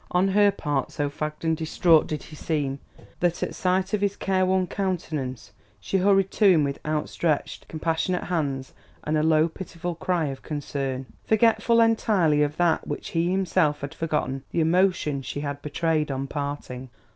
On her part, so fagged and distraught did he seem, that at sight of his care worn countenance she hurried to him with outstretched, compassionate hands and a low pitiful cry of concern, forgetful entirely of that which he himself had forgotten the emotion she had betrayed on parting.